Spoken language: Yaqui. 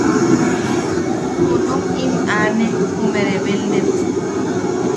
Junum im aane jume rebeldem.